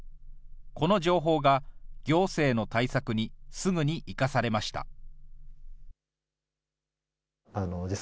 この情報が行政の対策にすぐに生かされました。